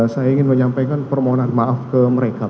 saya ingin menyampaikan permohonan maaf ke mereka